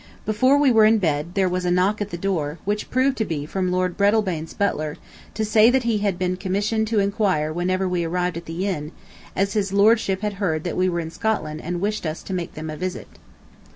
Before we were in bed, there was a knock at the door, which proved to be from Lord Breadalbane's butler, to say that he had been commissioned to enquire whenever we arrived at the inn, as his Lordship had heard that we were in Scotland and wished us to make them a visit.